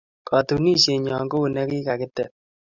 Katunisienyo ko u ne ki kaketet